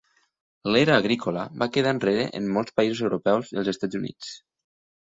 L'era agrícola va quedar enrere en molts països europeus i als Estats Units.